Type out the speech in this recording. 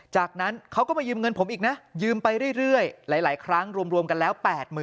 จากนั้นเขาก็มายืมเงินผมอีกนะยืมไปเรื่อยหลายครั้งรวมกันแล้ว๘๐๐๐